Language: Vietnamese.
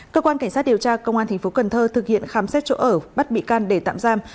cơ quan cảnh sát điều tra công an tp cn thực hiện khám xét chỗ ở bắt bị can để tạm giam